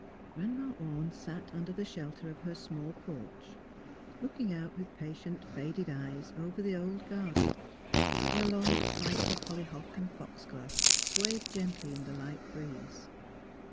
Grandma Orne sat under the shelter of her small porch, looking out with patient, faded eyes over the old garden, where long spikes of hollyhock and foxglove swayed gently in the light breeze.